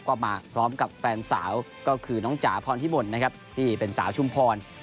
ก็มาพร้อมกับแฟนสาวก็คือน้องจ๋าพรพิมลนะครับที่เป็นสาวชุมพร